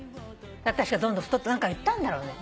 あたしがどんどん太って何か言ったんだろうね。